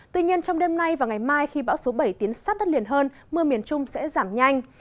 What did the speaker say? tuy nhiên trong đêm nay và ngày mai khi bão số bảy tiến sát đất liền hơn mưa miền trung sẽ giảm nhanh